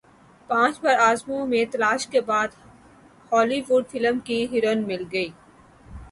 پانچ براعظموں میں تلاش کے بعد ہولی وڈ فلم کی ہیروئن مل گئی